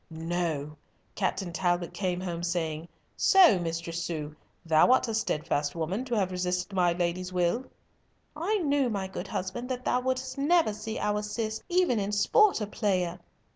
No! Captain Talbot came home, saying, "So, Mistress Sue, thou art a steadfast woman, to have resisted my lady's will!" "I knew, my good husband, that thou wouldst never see our Cis even in sport a player!"